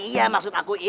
iya maksud aku itu